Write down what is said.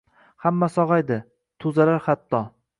Hamma sog’ayadi, tuzalar hatto